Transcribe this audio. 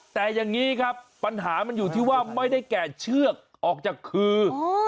แต่อย่างนี้ครับปัญหามันอยู่ที่ว่าไม่ได้แก่เชือกออกจากคือ